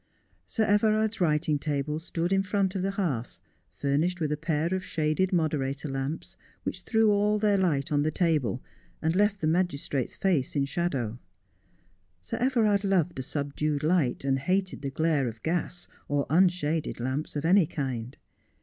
Sir Everard's writing table stood in front of the hearth, fur nished with a pair of shaded moderator lamps, which threw all their light on the table, and left the magistrate's face in shadow. Sir Everard loved a subdued light, and hated the glare of gas, or unshaded lamps of any kind.